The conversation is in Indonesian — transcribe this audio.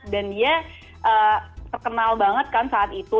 dan dia terkenal banget kan saat itu